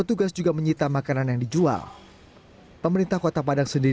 jika dijelas dikatakan tidak ada makan pada siang hari